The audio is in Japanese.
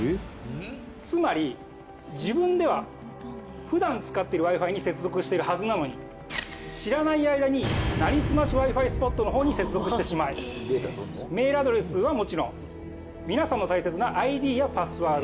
つまり自分ではふだん使っているＷｉ−Ｆｉに接続してるはずなのに知らない間になりすましＷｉ−Ｆｉスポットのほうに接続してしまいメールアドレスはもちろん皆さんの大切なＩＤやパスワード